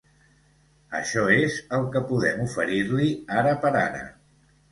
Això és el que podem oferir-li, ara per ara.